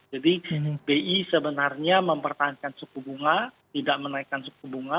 jadi bi sebenarnya mempertahankan suku bunga tidak menaikkan suku bunga